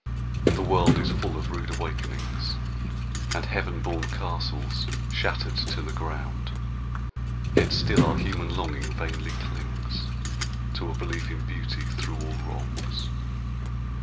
The world is full of rude awakenings And heaven born castles shattered to the ground, Yet still our human longing vainly clings To a belief in beauty through all wrongs.